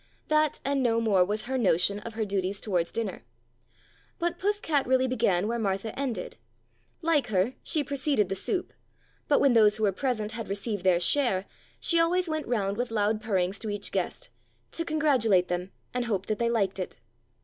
That and no more was her notion of her duties towards dinner. But Puss cat really began where Martha ended. Like her, she preceded the soup, but when those who were present had received their share, she always went round with loud purr ings to each guest, to congratulate them and hope that they liked it.